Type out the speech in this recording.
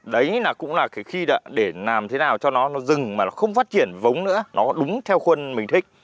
đấy là cũng là khi để làm thế nào cho nó dừng mà nó không phát triển vống nữa nó đúng theo khuôn mình thích